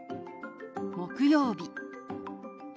「木曜日」。